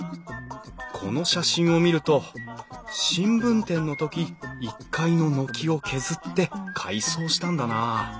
この写真を見ると新聞店の時１階の軒を削って改装したんだな。